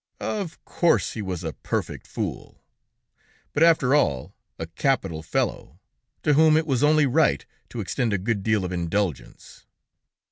Of course he was a perfect fool, but after all, a capital fellow, to whom it was only right to extend a good deal of indulgence.